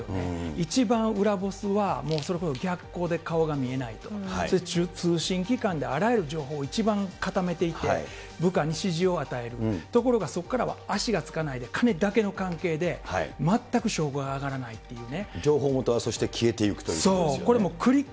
一番裏ボスは、それこそ逆光で顔が見えないと、通信機関であらゆる情報を一番固めていて、部下に指示を与える、ところがそこからは足がつかないで、金だけの関係で、全く証拠が挙がらないというね。